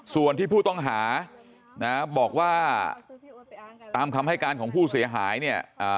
ส่วนที่ผู้ต้องหานะบอกว่าตามคำให้การของผู้เสียหายเนี่ย